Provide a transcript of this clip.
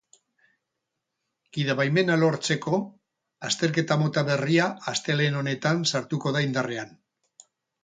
Gidabaimena lortzeko azterketa mota berria astelehen honetan sartuko da indarrean.